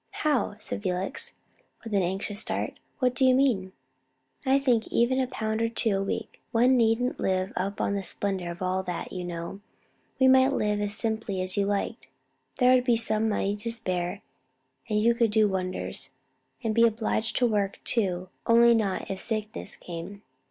"How?" said Felix, with an anxious start. "What do you mean?" "I think even of two pounds a week: one needn't live up to the splendor of all that, you know; we might live as simply as you liked: there would be money to spare, and you could do wonders, and be obliged to work too, only not if sickness came.